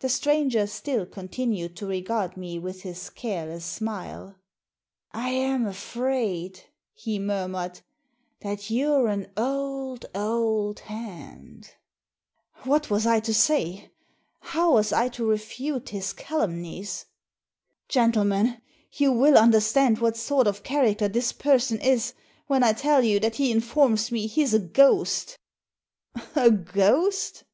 The stranger still continued to regard me with his careless smile. " I am afraid," he murmured, " that you're an old, old hand." Digitized by VjOOQIC A PACK OF CARDS 87 What was I to say? How was I to refute his calumnies ? "Gentlemen, you will understand what sort of character this person is when I tell you that he informs me he's a ghost" "A ghost!"